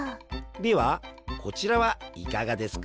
ではこちらはいかがですか？